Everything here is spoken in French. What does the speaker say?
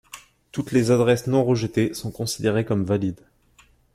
Toutes les adresses non rejetées sont considérées comme valides.